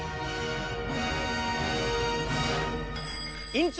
院長！